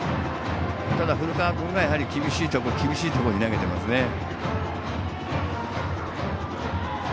ただ古川君が厳しいところに投げていますね。